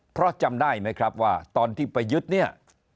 เพราะจำได้ไหมครับว่าตอนที่ไปยึดเนี่ย